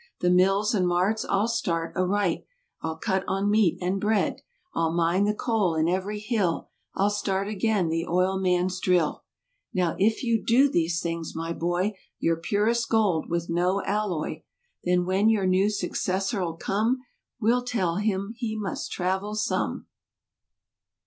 "The mills and marts I'll start aright!" "I'll cut on meat and bread!" "I'll mine the coal in every hill!" "I'll start again the oil man's drill!" Now if you'll do these things my boy, You're purest gold, with no alloy. Then when your new successor'll come We'll tell him he must travel some.